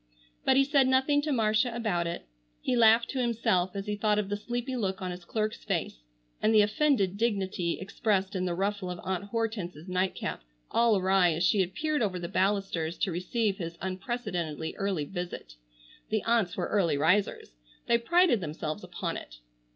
But he said nothing to Marcia about it. He laughed to himself as he thought of the sleepy look on his clerk's face, and the offended dignity expressed in the ruffle of Aunt Hortense's night cap all awry as she had peered over the balusters to receive his unprecedentedly early visit. The aunts were early risers. They prided themselves upon it.